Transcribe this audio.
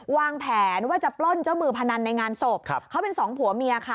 วางแผนว่าจะปล้นเจ้ามือพนันในงานศพเขาเป็นสองผัวเมียค่ะ